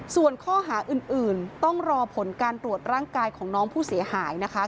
ส่วนข้อหาอื่นต้องรอผลการตรวจร่างกายของน้องผู้เสียหายนะคะ